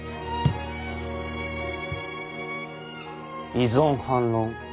異存反論